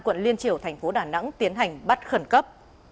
quận liên triều thành phố đà nẵng tiến hành bắt khẩn cấp